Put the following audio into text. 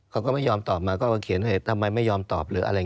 เขาก็ไม่ยอมตอบมาก็เขียนเฮ้ยทำไมไม่ยอมตอบ